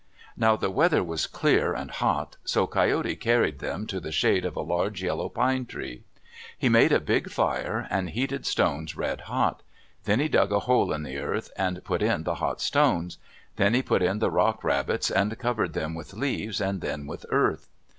Now the weather was clear and hot, so Coyote carried them to the shade of a large yellow pine tree. He made a big fire, and heated stones red hot; then he dug a hole in the earth and put in the hot stones. Then he put in the rock rabbits and covered them with leaves and then with earth.